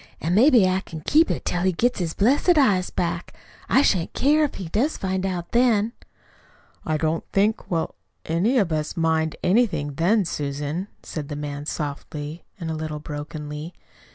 "An' maybe I can keep it till he gets his blessed eyes back. I shan't care if he does find out then." "I don't think we'll any of us mind anything then, Susan," said the man softly, a little brokenly.